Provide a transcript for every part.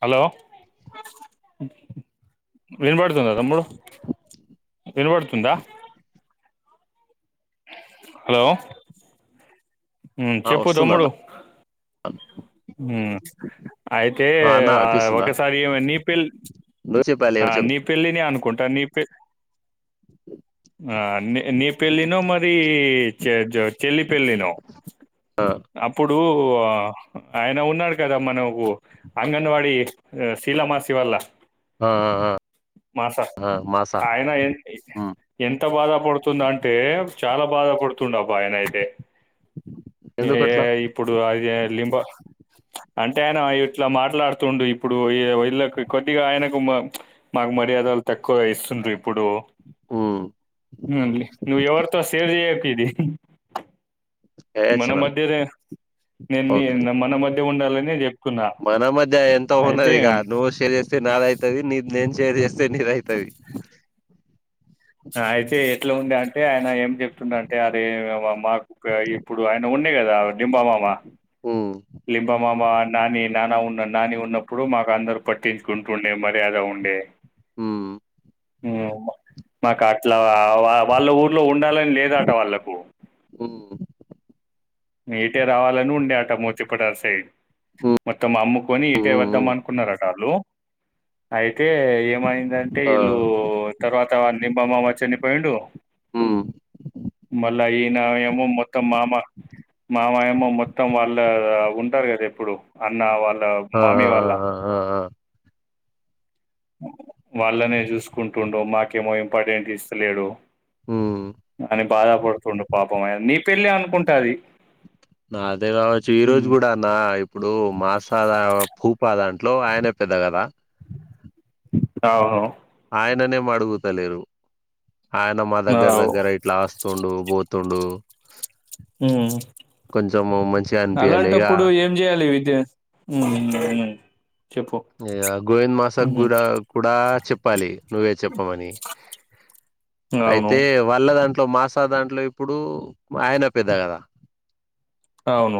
Hello వినబడుతుందా తమ్ముడు వినబడుతుందా హలో ఉమ్మ్ ఆ చెప్పు వస్తుందన్న తమ్ముడు ఉహ్మ్! అయితే అన్న ఆ అనిపిస్తుందా ఒకసారి నీ పెల్ నువ్వు చెప్పాలి ఏమో చెప్ నీ పెళ్లిని అనుకుంటా. టా నీపేర్ ఆ నీ నీ పెళ్ళి నో మరి చె జ చెల్లి పెళ్ళినో. ఆ అప్పుడు ఓ ఆ ఆయన ఉన్నాడు గాదా. మన ఊ అంగన్వాడీ శీలామాసి వల్ల ఆ ఆ మాస ఆ మాసా ఆయన ఎ ఉమ్ ఎంత బాధ పడుతుంది. అంటే చాలా బాధ పడుత్ తుండ్ అబ్బా ఆయన అయితే. ఏ ఎందుకట్లా ఇప్పుడు అది లింబ అంటే అయినా ఇట్లా మాట్లాడుతుండు ఇప్పుడు. వో ఇళకి కొద్టిగా ఆయన మాక్ మాకు మర్యాదలు తక్కువ ఇస్తుండ్రూ ఇప్పుడు. ఉమ్ ఉహ్ నువ్ ఎవర్తో సేర్ చేయకిది. మన ఏయచ్చన మధ్యనే. నేన్ మీ ఓకే మన మధ్య ఉండాల నీ మన మధ్య ఎంతో ఉన్నదిగా. నువ్ సేర్ చేస్తే నాద్ అయితది నీద్ నేను షేర్ చేస్తే నీదైతది. అయితే ఎట్లా ఉంది అంటే. ఆయన ఏం చెప్తుండ అంటే అది. మా మాకు ఇప్పుడు ఆయన ఉన్నాయి కదా డింబామామ ఉమ్ లింబమామ, నాని నాన్న ఉన్నడ్ నాని ఉన్నప్పుడు. మాకు అందరు పట్టించుకుంటుండే మర్యాద ఉండే. హహ్మ్ మాకా అట్లా వా వాళ్ళ ఊర్లో ఉండాలన్ లేదాట. వాళ్ళకు ఉమ్ ఇటే రావాలని ఉండే అట. మోతిపటార్ సైడ్ మొత్తం అమ్ము కొని ఇటే ఉమ్ వద్దాం ఉమ్ అనుకున్నారట వాళ్ళు. అయి తే ఏమైందంటే ఆ వీళ్ళు తర్వాత లింబమామ చనిపోయిండు. ఉమ్ మళ్ళా ఈ ఇంగావేమో మొత్తం మామా మామయమ్మో మొత్తం వాళ్ళ ఉంటారు. కదా ఎప్పుడు అన్న వాల్ ల ఆ ఆ మామీ వాళ్ళ ఆ ఆ ఆ వాళ్ళనే చూసుకుంటువుండు. మాకేమో ఇంపార్టెన్ట్ ఇస్తలేడు. ఉమ్ అని బాధపడుతుండు పాపం. ఓ అయ్యా నీ పెళ్ళి అనుకుంటాది. నా అదే కావచ్చు ఈ రోజు కూడా అన్న ఇప్పుడు మాసద భూపద అంట ఇంట్లో ఆయనే పెద్ద కదా అవును ఆయననే మడుగుతలేరు ఆయన మా దగ్గర అవు దగ్గర ఇట్లా ఆస్తుండు పో తుండు ఉమ్ మంచిగా అనిపియాలే ఇగ అలాంటప్పుడు ఏం చేయాలి వితే ఉమ్ ఉమ్ చెప్పు గోవింద్ మాసక్ ఉహు గుర కూడా చెప్పాలి నువ్వే చెప్పమని అవును అయితే వాళ్ళ దాంతా ఇంట్లో మాసా దాంట్లో ఇప్పుడు ఆయన పెద్ద కదా అవును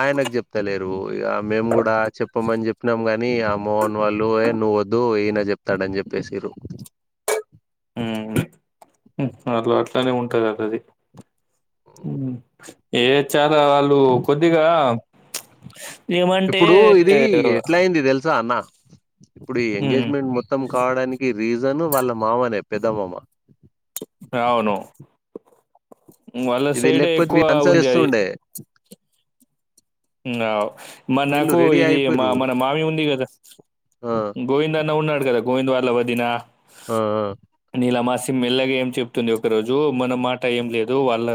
ఆయనకు చెప్తలేరు ఇగ మేము కూడా చెప్పమని చెప్పినాం గాని ఆ మోహన్ వాళ్ళు ఏ నువ్వ వద్దు ఈ నచ్చ చెప్తాడని చెప్పేసి ర ఉమ్ అగొ అట్లానే ఉంటది అద అది ఉమ్ ఏ చ వాళ్ళు కొద్దిగా [inaudible] ఇప్పుడు ఇది ఎట్లా అయింది తెలుసా అన్న ఇప్పుడు ఈ ఉమ్ ఎంగేజ్మెంట్ మొత్తం కావడానికి రీజను వాళ్ళ మామనే పెద్ద మామ అవును వాళ్ళ ఇది సైడే లేకపోతే వ ఎక్కువ అన్సారి ఉంది ఇస్తూ ఉండే ఉమ్ అవు మా వీళ్ళు నాకు రెడీ ఇది మా అయిపోయిరు మన మామి ఉంది కదా ఆ గోవింద్ అన్న ఉన్నాడు కదా గోవిందవార్లవదిన ఆ ఆ ఇలా మా సిమ్ ఇల్లాగ ఏం చెప్తుంది ఒక రోజు మన మాట ఏం లేదు వాళ్ళ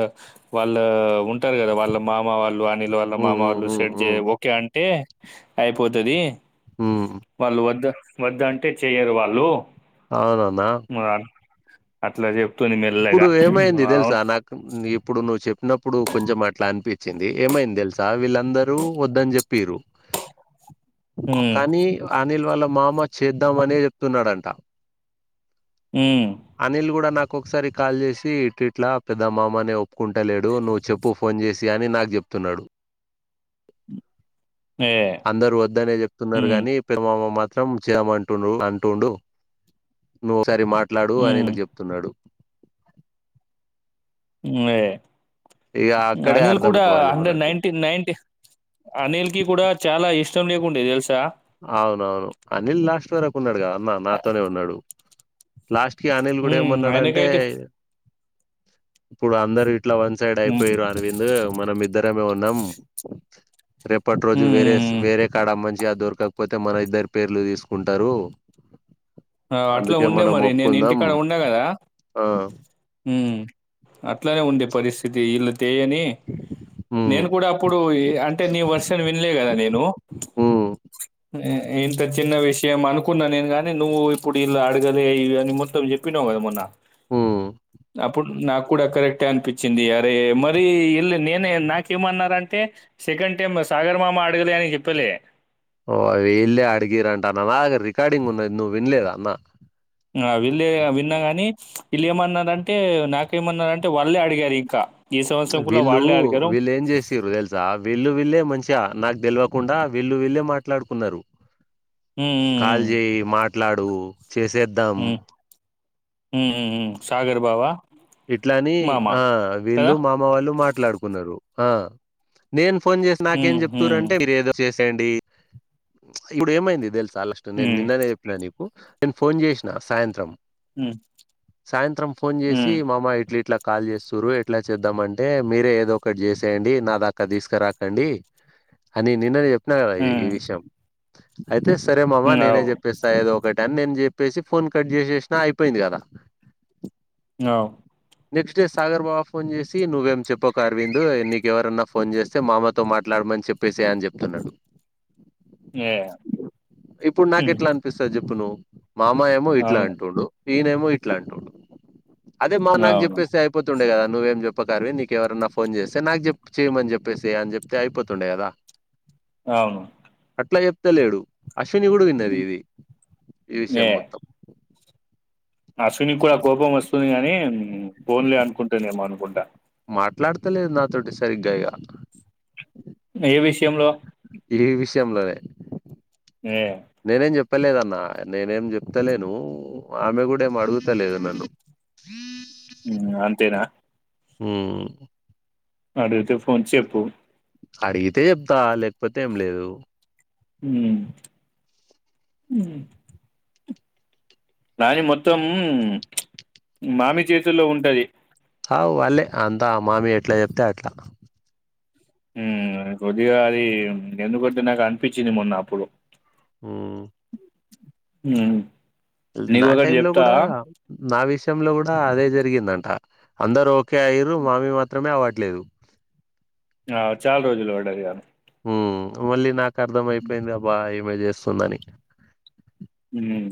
వాళ్ళ ఉంటారు కదా వాళ్ళ మామ వాళ్ళు అనిల వాళ్ళ ఉమ్ మామ ఉమ్ వాళ్ళలు ఉమ్ సెట్ చే ఉమ్ ఓకే అంటే అయిపోతది ఉమ్. వాళ్ళు వద్దు వద్దంటే చెయ్యరు వాళ్ళు అవునమ్మా ఆ, అట్లా చే ఇప్పుడు ఏమైంది తెలుసా నాకు ఇప్పుడు నువ్వు చెప్ప ఉన్నప్పుడు కొంచెం అట్లా అనిపించింది ఏమైంది తెలుసా వీళ్ళ అందరూ వద్దని చెప్పరు ఉమ్, కానీ అనిల్ వాళ్ళ మామ చేద్దామనే చెప్తున్నాడంట ఉమ్, అనిల్ కూడా నాకు ఒక్కొక్కసారి కాల్ చేసి ఇట్టిట్ల పెద్ద మామ ఒప్పుకుంటాలేడు నువ్వు చెప్పు ఫోన్ చేసి అని నాకు చెప్తున్నాడు. ఏ అందరు వద్దనే చెప్తున్నారు ఉమ్, కాగాని పెరుమామ్మ మా ం చేయమంటుండు అంటుండు నువ్వు ఒకసారి మాట్లాడు ఉమ్, అనికు చెప్తున్నాడు నువ్వే ఇక అక్కడే అనిల్ అర్థం కూడా అయిపోవాలి హండ్రెడ్ మనకు నైన్టీ నైన్టీ అనిల్ కి కూడా చాలా ఇష్టం [unintelligible] తెలుసా అవునవును అనిల్ లాస్ట్ వరకు ఉన్నాడు కదా నా నాతోనే ఉన్నాడు. లాస్ట్ అనిల్ కూడా ఉమ్, ఏమన్నాడంటే ఆయనకైతే ఇప్పుడు అందరి ఇట్లా వన్ సైడ్ ఉమ్, అయిపోయిర్రు అరవింద్ మనం ఇద్దరమే ఉన్నాం రేపటి రోజు వేరే ఉమ్, వేరే కాడ మంచి గ్యాదర్ కాకపోతే మన ఇద్దరు పేర్లు తీసుకుంటారు. ఆ అట్లా అందుకే ఉండే మనం మరి నేను ఒప్పుకుందాం. ఇంటికాడ ఉండ కదా ఆ! హు అట్లానే ఉంది పరిస్థితి ఇతి ఇల్ అంతే అని హ్మ్. నేను కూడా అప్పుడు అంటే నీ వర్షన్ వినలే కదా నేను హ్మ్. ఇంత చిన్న విషయం అనుకున్నా నేను గాని నువ్వు ఇప్పుడు ఇల్లా అడగలే ఇవి అని మొత్తం చెప్పినావు కదా మొన్న హు అప్పుడు నాకు కూడా కరెక్టే అనిపించింది. అరే మరి ఇల్ళ నేను నాకేమన్నారంటే సెకండ్ టైమ్ సాగర్ మామ అడగలే అని చెప్పలే ఓ అ విళ్ళే అడిగిరంటా అన్న నాగ రికార్డింగ్ ఉన్నది నువ్వు వినలేద అన్న ఆ వీళ్ళే విన్నా గాని వీళ్ళు ఏమన్నారంటే నాకేమన్నారంటే వాళ్ళే అడిగారు ఇంకా ఈ సంవత్సరం కూడా వీళ్ళు వాళ్ళే వీళ్ళు ఏం చేసిర్రు తెలుసా వీళ్ళు వీళ్ళే మంచి నాకు తెలివకుండా వీళ్లు వీళ్లే మాట్లాడుకున్నారు. హ్మ్. హ్మ్. కాల్ హ్మ్. చెయ్ మాట్లాడు డు చేసేద్దాం. హు హు సాగర్ బావా ఇట్లాని ఆ వీళ్ళు మామ వాళ్ళు మాట్లాడుకున్నారు. ఆ నేన్ ఫోన్ చేసి నాకేం హ్మ్. చెప్తార్రు హ్మ్. అంటే మీరు ఏదో చేస్ ఇప్పుడు ఏమైంది. తెలుసా చాలాష్ట నే హ్మ్. నిన్ననే చెప్పినా నీకు నేను ఫోన్ చేసిన సాయంత్రం హ్మ్ సాయంత్రం ఫోన్ ఇచ్చి హ్మ్. మామా ఇట్లా ఇట్లా కాల్ చేస్తురు. ఎట్లా చేద్దామంటే మీరే ఏదో ఒకటి చేసేయండి. నా దాకా తీసుకురాకండి. అని నిన్న చె కదా ఇది ఈ హ్మ్. విషయం అయితే సరే మామ హ్మ్. నేనే అవు. చెప్పేస్తా ఏదో ఒకటి నేను చెప్పేసి ఫోన్ కట్ చేసేసినా అయిపోయింది. గదా అవ్ నెక్స్ట్ డే సాగర్ బావ ఫోన్ చేసి నువ్వేం చెప్పకు, అరవింద్ నీకెవరన్నా ఫోన్ చేస్తే మామతో మాట్లాడమని చెప్పేసేయ్ అని జెప్తున్నడు. ఏ ఇప్పుడు నాకు ఎట్లా అనిపిస్తది. జెప్ జెప్పు నువ్ మామ ఏమో ఇట్లా అవును. అంటుండు. ఈనేమో ఇట్లా అంటుండు. అదే మా నాకు అవును. చెప్పేస్తే అయిపోతుండే గదా నువ్వేం చెప్పకు అరవింద్ నీకు ఎవరన్నా ఫోన్ చేస్తే, నాకు జెప్పు చేయమని చెప్పేసేయ్ అని చెప్తే అయిపోతుండే గదా అవును అట్లా చెప్తలేడు అశ్విని గూడా విన్నది. హ్మ్. ఇది ఈ విషయం మొత్తం. అశ్విని కూడా కోపం వస్తుంది. గాని పోన్లే అనుకుంటుంది. ఏమో అనుకుంటా మాట్లాడతలేదు. నాతోటి సరిగ్గా ఇగా ఏ విషయంలో ఈ విషయంలోనే ఏ చెప్పలేదన్న నేనేం చెప్తలేను ఆమె గూడా ఏమ్ అడుగుతలేదు నన్ను మ్ అంతేనా హ్మ్ అడుగుతే ఫోన్ చెప్పు అడిగితే చెప్తా లేకపోతే ఏం లేదు. హ్మ్ హ్మ్ దాని మొత్తం మామి చేతుల్లో ఉంటది. అవ్ వాళ్లేే అంతా ఆ మామి ఎట్లా చెప్తే అట్లా ఉమ్ కొద్దిగా అది ఎందుకంటే నాకు అనిపిచ్చింది. మొన్న అప్పుడు ఉమ్ ఉమ్ నా టైమ్ లో గూడా నా విషయంలో గూడా ఆ అదే జరిగిందంటా అందరూ ఓకే అయ్యిరు మమ్మీ మాత్రమే అవట్లేదు. ఆ చాల రోజులు బడ్డది గా ఆమె మ్ మళ్ళి నాక్ అర్థం అయిపోయింది అబ్బా ఇప్ ఈమె జేస్తుందని ఉ మ్మ్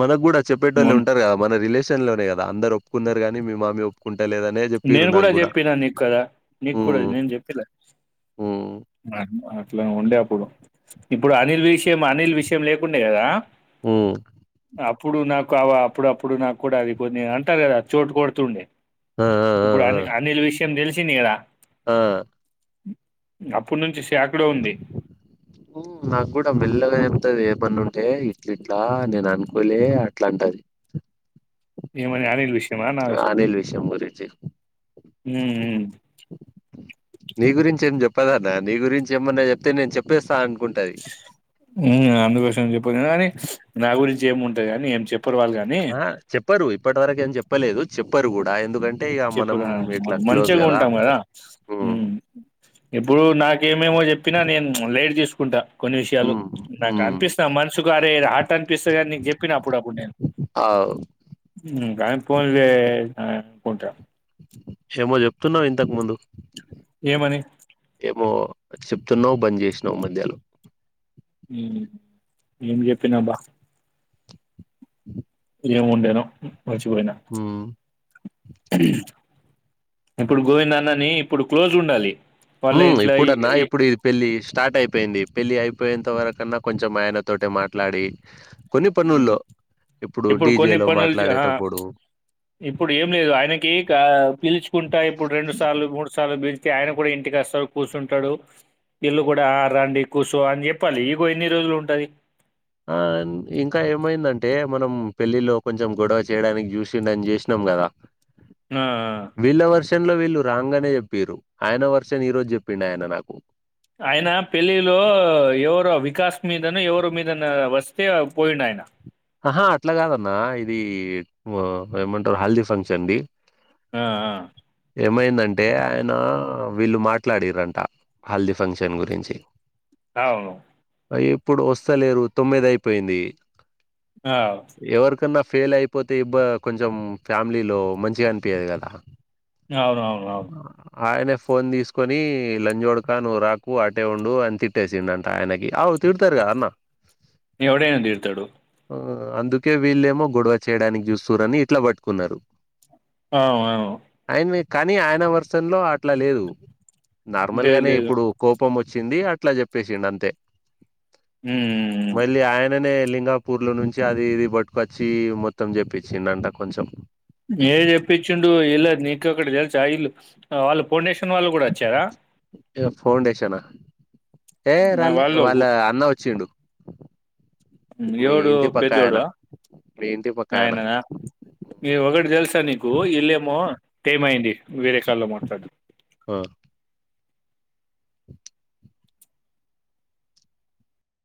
మనకు గూడా చెప్పేటోల్లు ఉంటారు గాదా మన రిలేష్ షాన్ లో గాదా అందరు ఒప్పుకున్నారు. గానీ మీ మామీ ఒప్పుకుం నేను కూడా చెప్పినా నీకు కదా నీకు కూడా ఉమ్ నేను చెప్పలే ఉమ్ ఆ ఉ ఇట్లా ఉండే అప్పుడు ఇప్పుడు అనిల్ విషయం అనిల్ విషయం లేకుండే గాదా హ్ అప్పుడు నాకు కావా అప్పుడు అప్పుడు నాకు కూడా అది కొన్ని అంటారు. గాదా చోటు కొడుతుండే ఆ ఆ ఇప్పుడు ఆ అని అనిల్ విష టం దెలిసింది కదా ఆ అప్పుడు నుంచి స్ నాకు కూడా మెల్లగా [unintelligible] తది ఏ పని ఉంటే ఇట్ల ఇట్లా నేను అనుకోలే అట్లా అంటది. ఏమనీ అనిల్ విష్ ఆ అనిల్ విషయం గురించి హ్ హు నీ గురించి ఏం జెప్పదాన్న నీ గురించి ఏమన్నా చెప్తే నేను చెప్పేస్తా అనుకుంటది. హ్ ఆ అందుకోసమే జెప్పు [unintelligible] గాని నా గురించి ఏముంటది కాని ఏం చెప్పు ఆ చెప్పరు ఇప్పటి వరకు ఏం జెప్పలేదు చెప్ చెప్పు రా క్లోజ్ మంచిగా గదా! ఉంటాం. గాదా హ్ హ్మ్. ఇప్పుడు నాకేమేమో చెప్పినా నేను లైట్ తీసుకుంటా కొన్ని విషయాలు హ్మ్. నాకు హ్మ్. అనిపిస్త మనస్ [unintelligible] అనిపిస్తది గాని నీకు జేప్పిన అప్పుడప్పుడు నేను ఆవ్ ఫోన్ జేయ్ ఆ పోంట ఏమో చెప్తున్నవ్ ఇంతకు ముందు ఏమని ఏమో చెప్తున్నవ్ బంద్ చేసినవ్ మధ్యలో ఏం చెప్పినబ్బా ఉ ఏం ఉండేనో మర్చి పోయిన హ్మ్. ఇప్పుడు గోవింద్ అన్నని ఇప్పుడు క్లోజ్ ఉండాలి. వాళ్ళ హ్మ్ ఇంట్లో ఈ- ఎప్పుడన్న ఈ- ఎప్పుడి పెళ్ళిస్ స్టార్ట్ అయిపోయింది పెళ్ళి అయిపోయేంత వరకన్న కొంచెం ఆయన తోటే మాట్లాడి కొన్ని పనుల్లో ఇప్పుడు కొన్ని డీజేలో పనులు ఆ మాట్లాడేటప్పుడు ఇప్పుడు ఏం లేదు ఆయనకి పిలుచుకుంటా ఇప్పుడు రెండు సార్లు మూడు సార్లు పిల్ ఆయన కూడా ఇంటికి వస్తాడు కూసుంటడు ఇళ్ళు కూడా రండి కూర్చో అని చెప్పాలి ఈగో ఎన్ని రోజులు ఉంటది ఆ ఇంకా ఏమైందంటే మనం పెళ్ళిలో కొంచెం గొడవ చేయడానికి చూసిండని చేసినం కదా ఆ న్లో వీళ్ళు రాంగనే చెప్పింరు ఆయన వర్షన్ ఈ రోజు చెప్పిండాయన నాకు ఆయన పెళ్ళిలో ఎవరో వికాస్ మీదనో ఎవరో మీదన వస్తే పోయిండు ఆయన ఆహా అట్ల కాదన్న ఇది ఏమంటారు హల్ది ఫంక్షన్ది ఆ ఆ ఏమైందంటే ఆయన వీళ్ళు మాట్లాడిరంట హాల్దీ ఫంక్షన్ గురించి అవును అయి ఇప్పుడు వస్తలేరు తొమ్మిది అయిపోయింది. ఆ! ఎవరికన్నా ఫెయిల్ అయిపోతే ఇబ కొంచెం ఫ్యామిలీలో మంచిగా అనిపీయదు కదా అవును అవును అవున్ ఫోన్ తీసుకొని లంజోడకా నువ్వు రాకు అటే ఉండు అని తిట్టేసిందంట ఆయనకి అవు తిడతరు కదా అన్న ఎవడైనా తిడతడు. అందుకే వీళ్ళేమో గొడవ చేయడానికి చూస్తుంన్రూ ఇట్ల పట్టుకున్నారు. అవు అవును ఆయన కానీ ఆయన వెర్షన్ అట్ల లేదు. లేదు. నార్మల్గనే లేదు. ఇప్పుడు కోపం వచ్ వచ్చింది అట్లా చెప్పేసిండ్ అంతే హ్మ్. మల్లీ ఆయననే లింగా ఊర్లో నుంచి అది ఇది పట్టుకొచ్చి మొత్తం చెప్పించిండంట కొంచెం ఏ చెప్పిచ్చుండు ఇళద్ నీక్ ఒకట్ తెల్సా ఇళ్ళు వాళ్ళ ఫౌండేషన్ వాళ్ళు కూడా వచ్చారా ఫౌండేషనా ఏ ఆహ్, రాలే వాళ్ళు వాళ్ళ అన్న వచ్చిండు. మీ మీవోడు ఇంటి పక్క ఆయన పెద్దోడా మీ ఇంటి పక్క ఆయన ఆయననా ఒకటి తెల్సా నీకు ఈళ్ళేము ఏమైంది వేరే కాల్ లో మాట్లాడు ఆ